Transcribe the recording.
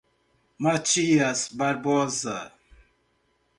Matias Barbosa